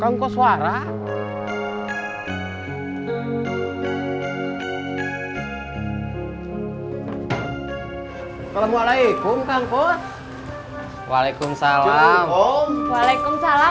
kamu kok suara kalau mohon alaikum kampus waalaikumsalam waalaikumsalam